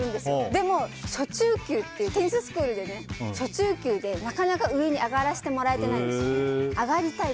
でもテニススクールで、初中級でなかなか上に上がらせてもらえてないんです。